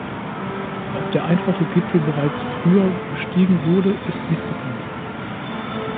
Ob der einfache Gipfel bereits früher bestiegen wurde, ist nicht bekannt.